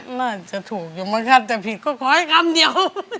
หนาวจะถูกอยู่มีค่าจะผิดก็ขอให้กรรมเดี๋ยว